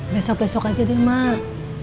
besok besok aja deh mah